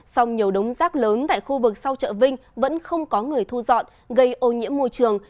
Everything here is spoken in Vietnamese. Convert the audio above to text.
song nhiều đống rác lớn tại khu vực sau chợ vinh vẫn không có người thu dọn gây ô nhiễm môi trường